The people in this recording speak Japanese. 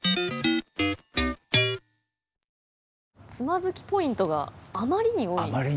つまずきポイントがあまりに多い。